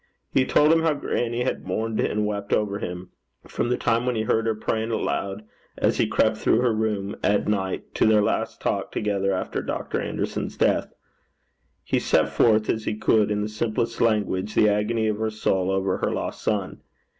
He told him how grannie had mourned and wept over him, from the time when he heard her praying aloud as he crept through her room at night to their last talk together after Dr. Anderson's death. He set forth, as he could, in the simplest language, the agony of her soul over her lost son.